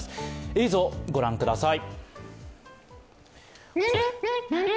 映像、ご覧ください。